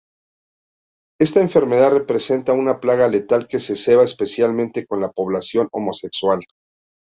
Esta enfermedad representa una plaga letal que se ceba especialmente con la población homosexual.